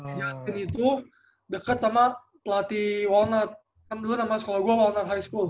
si justin itu deket sama pelatih walnut kan dulu namanya sekolah gue walnut high school